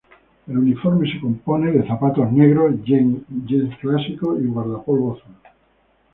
El uniforme se compone de zapatos negros, jeans clásicos, y guardapolvo azul.